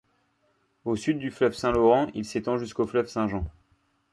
Au sud du fleuve Saint-Laurent, il s’étend jusqu’au fleuve Saint-Jean.